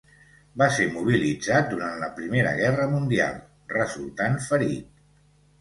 Va ser mobilitzat durant la Primera Guerra Mundial, resultant ferit.